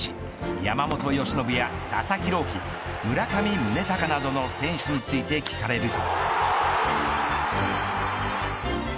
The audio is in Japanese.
山本由伸や佐々木朗希村上宗隆などの選手について聞かれると。